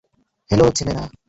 Hello, ছেলেরা!